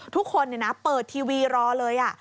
ทุกคนเปิดทีวีรอเลย